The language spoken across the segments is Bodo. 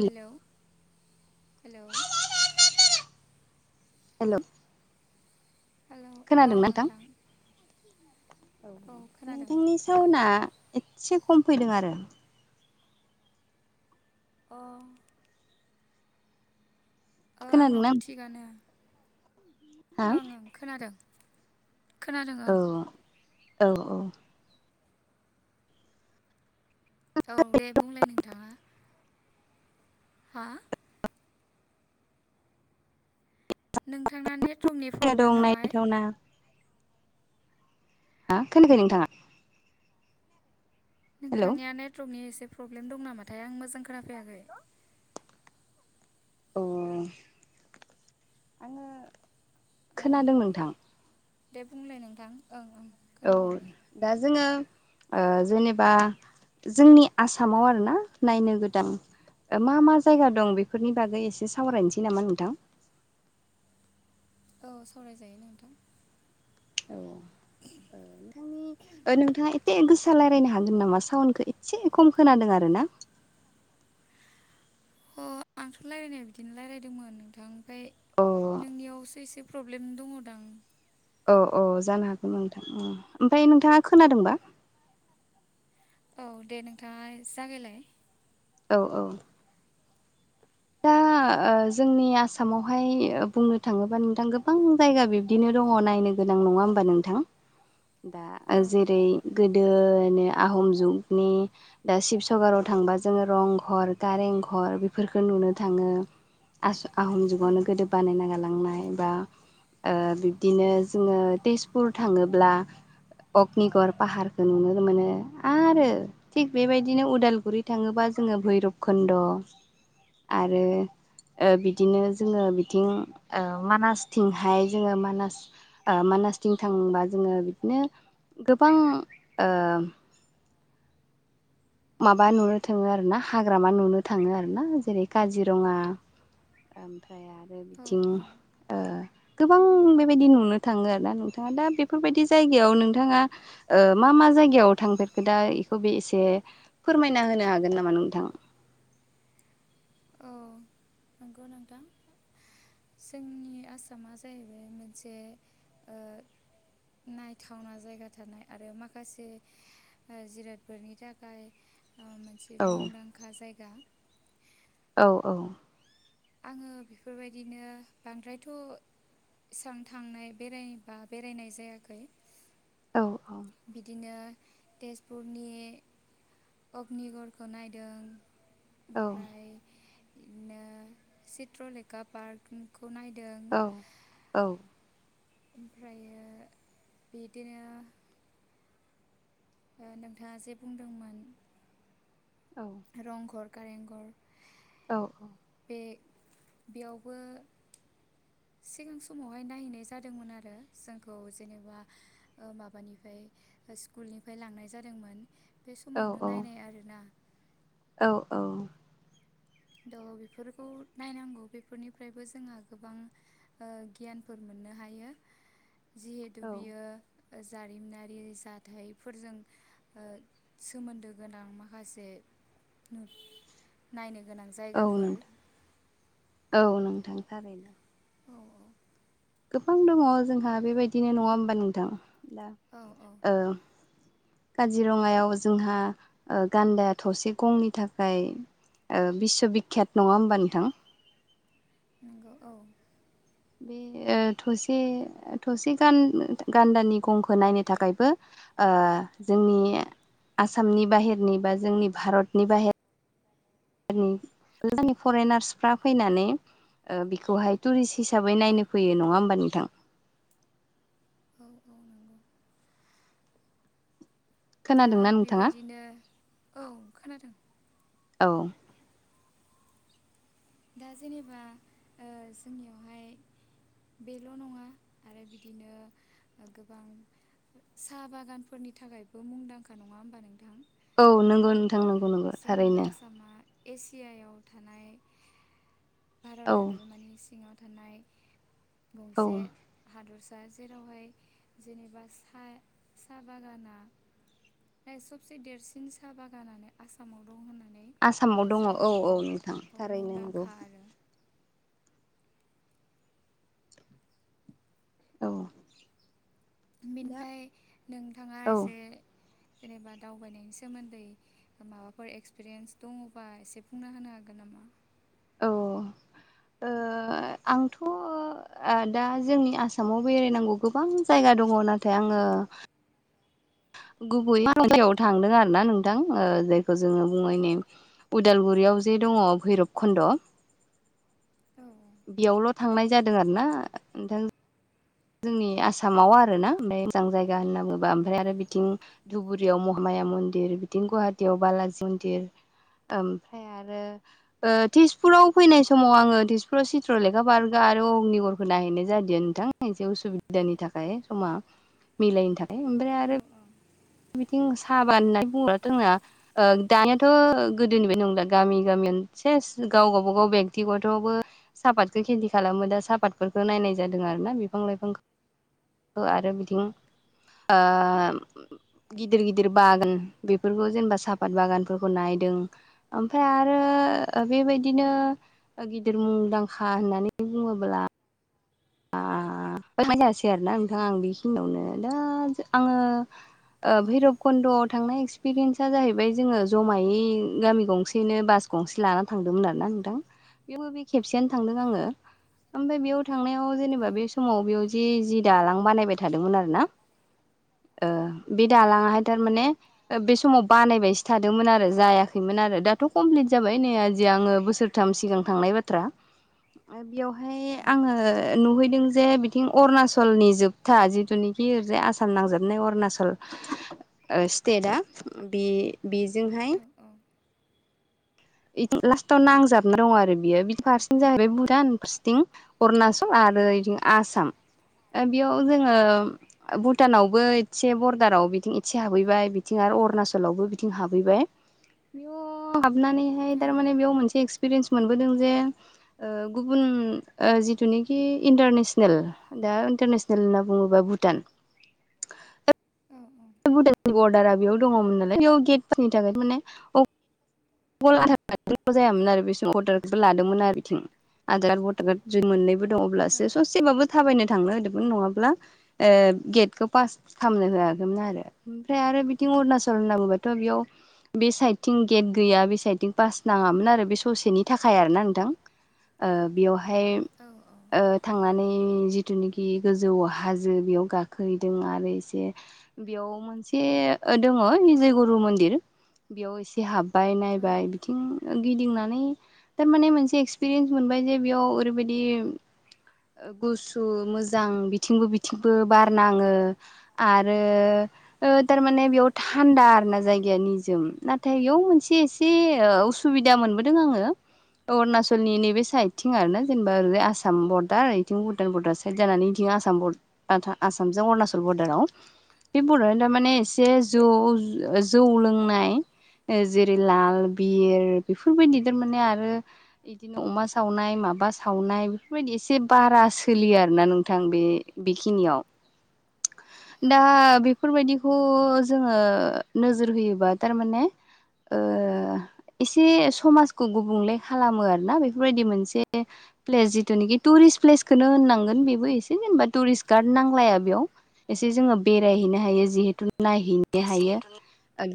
हेल' हेल' हेल' हेल' औ नोंथां औ औ खोनादों फावना एसे खम फैदों आरो ं ओ खोनादोंना आंनावथ' थिगानो नोंथाङा ओं ओं खोनादों खोनादों औ ओं औ औ औ दे बुंलाय नोंथाङा हा नोंथांना नेटवर्कनि खोना प्रब्लेम दं नामा नायथावना हां खोनायाखै नोंथाङा हेल' नोंथांनिया नेटवर्कनि एसे प्रब्लेम दं नामाथाय आं मोजां खोनाफैयाखै अ आङो खोनादों नोंथां दे बुंलाय नोंथां ओं ओं औ खोनादों दे दा जोङो जेनेबा जोंनि आसामाव आरोना नायनो गोदान मा मा जायगा दं बेफोरनि बागै एसे सावरायनोसै नामा नोंथां औ सावरायजायो नोंथां औ ग ओ नोंथांनि नोंथाङा एसेे गोसा रायज्लायनो हागोन नामा साउनडखौ एसे खम खोनादों आरो ना अ आंथ' रायज्लायनाया बिदिनो रायज्लायदोंमोन नोंथां ओमफ्राय अ नोंनियावसो एसे प्रब्लेम दङदां औ औ जानो हागोन नोंथां ओमफ्राय नोंथाङा खोनादोंना? औ दे नोंथाङा जागायलाय। औ औ। दा जोंनि आसामावहाय बुंनो थाङोबा नोंथां गोबां जायगा बिब्दिनो दङ नायनो गोनां नङा होमबा नोंथां? दा औ औ जेरै गोदोनो आहम जुगनि दा शिबसगराव थांबा जोङो रं घर कारें घर बेफोरखौ फोर नुनो थाङो आहम औ जुगावनो गोदो बानायना गालांनाय बा बिब्दिनो जोङो तेजपुर थाङोब्ला अग्निगर पाहारखौ नुनो मोनो आरो थिग बेबायदिनो उदालगुरि थाङोबा जोङो भैरब खन्द' आरो बिदिनो जोङो बिथिं मानासथिंहाय जोङो मानास मानासथिं थांबा जोङो बिदिनो गोबां माबा नुनो थाङो आरो ना हाग्रामा नुनो थाङो आरो ना जेरै काजिरङा ओमफ्राय आरो औ बिथिं औ गोबां बेबायदि नुनो थाङो आरोना नोंथाङा दा बेफोरबायदि जायगायाव नोंथाङा मा मा जायगायाव थांफेरखो दा बेखौ बे एसे फोरमायना होनो हागोन नामा नोंथां? औ। नंगौ नोंथां। जोंनि आसामा जाहैबाय मोनसे। नायथावना जायगा थानाय आरो माखासे जिरादफोरनि थाखाय मोनसे औ मुंदांखा जायगा औ औ। आङो बेफोरबायदिनो बांद्रायथ' इसबां थांनाय बेरायबा बेरायनाय जायाखै औ औ। बिदिनो तेजपुरनि अग्निगरखौ नायदों। औ ओमफ्राय बिदिनो चित्रलेखा पार्क खौ नायदों। औ औ। ओमफ्रायो बिदिनो। नोंथाङा जे बुंदोंमोन। औ। रंघर कारें घर औ औ। बे बेयावबो सिगां समावहाय नायहैनाय जादोंमोन आरो जोंखौ जेनेबा माबानिफ्राय स्कुलनिफ्राय लांनाय जादोंमोन। बे समावनो नायनाय आरोना। औ औ। द' बेफोरखौ नायनांगौ बेफोरनिफ्रायबो जोंहा गोबां। गियानफोर मोननो हायो जिहेथु औ बियो। जारिमिनारि जाथायफोरजों सोमोन्दो गोनां माखासे नायनो गोनां औ जायगाफोर नोंथां औ नोंथां। औ औ। गोबां दङ जोंहा बेबायदिनो नङा होमबा नोंथां दा। औ औ। ओ काजिरङायाव जोंहा गान्दाया थसे गंनि थाखाय बिस्व' बिखियात नङा होमबा नोंथां नंगौ औ बे थसे थसे गान्दानि गंखौ नायनो थाखायबो जोंनि आसामनि बाहेरनि बा जोंनि भारतनि बाहेर नि जोंनि फरेनार्सफ्रा फैनानै बेखौहाय टुरिस्ट हिसाबै औ नायनो फैयो नङा होमबा नोंथां औ औ नंगौ दा खोनादोंना नोंथाङा? बेबायदिनो औ खोनादों औ दा जेनेबा जोंनियावहाय बेल' नङा आरो बिदिनो गोबां साहा बागानफोरनि थाखायबो मुंदांखा नङा होमबा नोंथां औ नंगौ नोंथां नंगौ नंगौ जोंनि थारैनो आसामा एसियायाव थानाय औ भारत हादरमानि सिङाव थानाय औ गंसे हादरसा जेरावहाय जेनेबा साहा बागाना सबसे देरसिन साहा बागानानो आसामाव दं होननानै आसामाव दङ औ जोङो बे औ नोंथां थारैनो नंगौ मुंदांखा [inaudible] औ दा बेनिफ्राय नोंथाङा औ एसे जेनेबा दावबायनायनि सोमोन्दै माबाफोर एक्सपिरियेन्स दङबा एसे बुंना होनो हागोन नामा औ आंथ' दा जोंनि आसामाव बेरायनांगौ गोबां जायगा दङ नाथाय आङो गुबै बार'याव थांदों आरो ना नोंथां जायखौ जोङो बुङो ने उदालगुरियाव जे दङ भैरब खन्द' औ बेयावल' थांनाय जादों आरो ना नोंथां जोंनि आसामाव आरोना ओमफ्राय मोजां जायगा होनना बुङोबा ओमफ्राय आरो बिथिं धुबुरियाव महामाया मन्दिर बिदिं गुवाहाटियाव बालाजि मन्दिर ओमफ्राय आरो ओ तेजपुराव फैनाय समाव आङो तेजपुराव चित्रलेखा बार्गा आरो अग्निगरखौ नायहैनाय जादिया नोंथां एसे उसुबिदानि थाखाय समा मिलायनो थाखाय ओमफ्राय औ आरो बिथिं साहा बागान होनना बुङोब्लाथ' जोंना दानियाथ' गोदोनि बायदि नंला सेस गामि गामि से गाव गावबा गाव बेक्ति गथ'बो सापातखौ खेथि खालामो दा सापातफोरखौ नायनाय जादों आरोना बिफां लाइफांखौ आरो बिथिं गिदिर गिदिर बागोन बेफोरखौ जेनेबा सापात बागानफोरखौ नायदों ओमफ्राय आरो औ बेबायदिनो गिदिर मुंदांखा होननानै बुङोब्ला यासै आरोना नोंथां आं बेखिनियावनो दा आङो भैरबकुन्द'आव थांनाय एक्सपिरियेन्स जाहैबाय जोङो जमायै गामि गंसेनो बास गंसे लानानै थांदोंमोन आरोना नोंथां बेयावबो बे खेबसेयनो थांदों आङो औ ओमफ्राय बेयाव थांनायाव माव औ जेनेबा बे समाव बेयाव जि जि दालां बानायबाय थादोंमोन आरो ना बे ओं दालाङाहाय थारमाने बे समाव बानायबायसो थादोंमोन आरो जायाखैमोन आरो दाथ' कमप्लिट जाबाय नै आजि आङो बोसोर थाम सिगां थांनाय बाथ्रा बेयावहाय आङो नुहैदों जे बिथिं अरुणाचलनि जोबथा जिथुनिखि ओरैजाय आसाम नांजाबनाय अरुनाचल स्टेटआ बे बेजोंहाय औ ओं औ ओं दि लास्टाव नांजाबना दं आरो बियो बिदि फारसें जाहैबाय बुटान फारसेथिं अरुणचल आरो इथिं आसाम ओ बेयाव जोङो भुटानावबो एसे बरदाराव बिथिं एसे हाबहैबाय बिथिं आरो अरुणाचलावबो बिथिं हाबहैबाय बेयाव हाबनानैहाय जे थारमाने बेयाव मोनसे एक्सपिरियेन्स मोनबोदों जे ओ गुबुन जिथुनिखि इन्टारनेसनेल दा इन्टारनेसनेल होनना बुङोबा भुटान औ औ भुटाननि बरडारा बेयाव दङमोन नालाय बेयाव गेटफोरनि थाखाय माने अकल आधारखार्डजोंल जायामोन आरो बे समाव अर्दारबो लादोंमोन आरो बिथिं आधारखार्ड जि मोननैबो दं अब्लासो जास्ट सेबाबो थाबायनो थांनो होदोंमोन नङाब्ला ओ गेटखौ पास खालामनो होआखैमोन आरो ओमफ्राय आरो बिथिं अरुणाचल होनना बुंबाथ' बेयाव बे साइदथिं गेट गैया बे साइडथिं पास नाङामोन आरो बे ससेनि थाखाय आरो ना नोंथां ओ बेयावहाय औ औ ओ थांनानै जिथुनाखि गोजौ हाजो बेयाव गाखोहैदों आरो एसे ओ बेयाव मोनसे ओ दङ निजयगुरु मन्दिर बेयाव एसे हाब बाय औ नायबाय बिथिं गिदिंनानै थारमाने मोनसे एक्सपिरियेन्स मोनबाय जे बेयाव ओरैबायदि गुसु मोजां बिथिंबो बिथिंबो बारनाङो आरो ओ तारमाने बेयाव थान्दा आरोना जायगाया निजोम नाथाय बेयाव मोनसे एसे उसुबिदा मोनबोदों आङो अरुणाचलनि नैबे साइडथिं आरोना जेनेबा ओरै आसाम बर दार इथिं भुटान बर्दार साइद जानानै बिथिं आसाम बर आसामजों अरुणचल बर्दाराव बे बर'आ थारमाने एसे जौ जौ लोंनाय ओ जेरै लाल बिर बेफोरबायदि थारमाने आरो बिदिनो अमा सावनाय माबा सावनाय बेफोरबायदि एसे एसे बारा सोलियो आरोना नोंथां बे बेखिनियाव औ दा बेफोरबायदिखौ जोङो नोजोर होयोबा थारमाने ओ एसे समाजखौ गुबुंले खालामो आरो ना बेफोरबायदि मोनसे प्लेस जिथुनिखि टुरिस्ट प्लेसखौनो होननांगोन बेबो एसे जेनेबा टुरिस्ट गार्ड नांलाया बेयाव एसे जोङो बेरायहैनो हायो जिहेथु नायहैनो बे हायो जिहेथु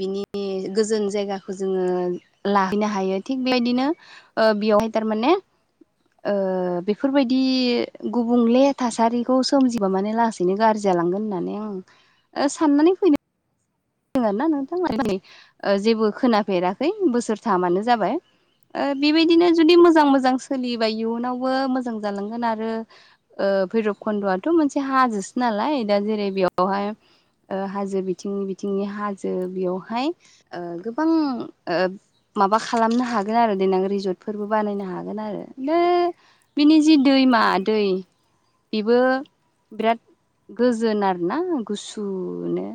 बिनि गोजोन जायगाखौ जोङो लाहैनो हायो थिग बेबायदिनो ओ बेयावहाय थारमाने ओ बेफोरबायदि गुबुंले थासारिखौ सोमजिबा मानो लासैनो गाज्रि जालांगोन होननानै आं ओ साननानै फैनो दों आरोना नोंथांमोन दिनै जेबो खोनाफेराखै बोसोरथामानो जाबाय ओ बेबायदिनो जुदि मोजां औ मोजां सोलियोबा इयुनावबो मोजां जालांगोन आरो ओ भैरबकन्द'आथ' मोनसे हाजोसो नालाय दा जेरै बेयावहाय ओ हाजो बिथिंनि बिथिंनि हाजो बेयावहाय ओ गोबां माबा खालामनो हागोन आरो देनां रिजर्टफोरबो बानायनो हागोन आरो औ बिनि जि दैमा नंगौ दै नोंथां बेबो बिराद गोजोन आरोना गुसुनो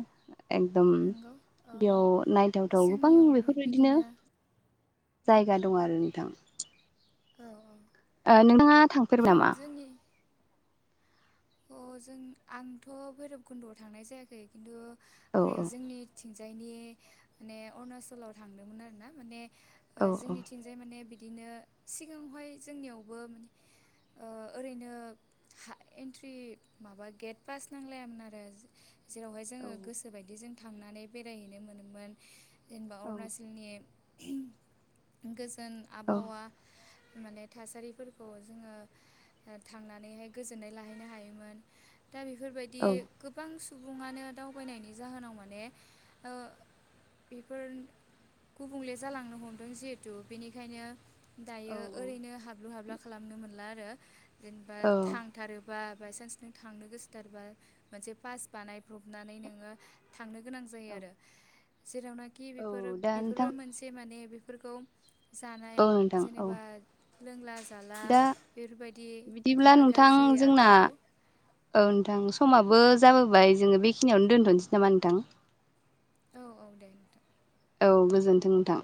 एकदम नंगौ औ बेयाव नायथावथाव गोबां जोंनियावबो बेफोरबायदिनो बिदिनो जायगा दं आरो नोंथां औ औ ओ नोंथाङा थां उम जोंनि अ जों आंथ' भैरबखुन्द'आव थांनाय जायाखै खिन्थु औ ओरै जोंनि थिंजायनि माने अरुणाचलाव थांदोंमोन आरोना माने औ ओ जोंनिथिं जे माने बिदिनो सिगाङावहाय जोंनियावबो माने ओरैनो हा एन रि माबा गेट फास नांलायोन आरो जेरावहाय औ जोङो गोसोबायदि जों थांनानै बेरायहैनो मोनोमोन जेनेबा अरुणाचलनि गोजोन औ आबहावा माने थासारिफोरखौ जोङो थांनानैहाय गोजोननाय बाहायनो हायोमोन दा बेफोरबायदि। औ गोबां सुबुङानो दावबायनायनि जाहोनाव माने बेफोर गुबुंले जालांनो हमदों जिहेथु बेनिखायनो औ दायो ओरैनो हाब्लु हाब्ला खालामनो मोनला आरो जेनेबा औ थांथारो। बा बायसान्स नों थांनो गोसोथारबा मोनसे पास बानायब्रबनानै नोङो। थांनो गोनां जायो औ आरो जेरावनाखि औ बेफोरो दा नोंथां बेफोरबो मोनसे। जे माने बेफोरखौ जानाय औ नोंथां औ जेनेबा लोंला जाला दा बेफोरबायदि बिदिब्ला खा नोंथां गाज्रि जोंना आखुखौ औ नोंथां समाबो जाबोबाय जोङो बेखिनियावनो दोनथ'नोसै नामा नोंथां। औ औ दे नोंथ' औ गोजोन्थों नोंथां।